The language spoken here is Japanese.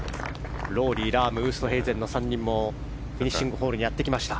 ロウリー、ラームウーストヘイゼンの３人もフィニッシングホールにやってきました。